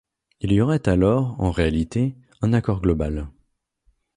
Il y aurait alors, en réalité, un accord global.